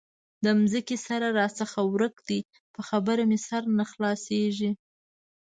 د ځمکې سره راڅخه ورک دی؛ په خبره مې سر نه خلاصېږي.